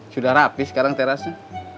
sudah rapih sekarang terasnya